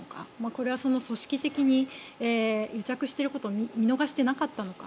これは組織的に癒着していることを見逃していなかったのか。